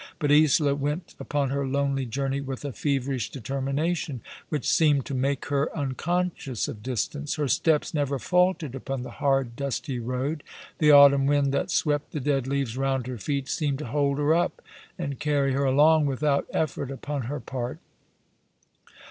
But Isola went upon her lonely journey with a feverish determination which seemed to make her unconscious of distance. Her steps never faltered upon the hard, dusty road. The autumn wind that swept the dead leaves round her feet seemed to hold her up and carry her along without effort upon her part.